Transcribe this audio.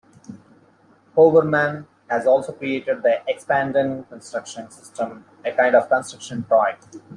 Hoberman has also created the Expandagon Construction System, a kind of construction toy.